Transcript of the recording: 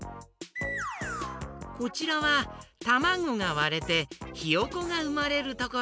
こちらはたまごがわれてひよこがうまれるところ。